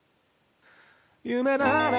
「夢なら」